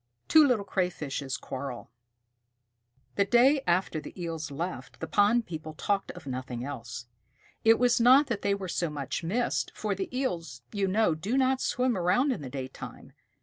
TWO LITTLE CRAYFISHES QUARREL The day after the Eels left, the pond people talked of nothing else. It was not that they were so much missed, for the Eels, you know, do not swim around in the daytime.